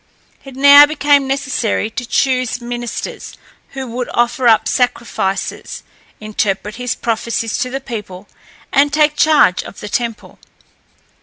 It now became necessary to choose ministers, who would offer up sacrifices, interpret his prophecies to the people, and take charge of the temple.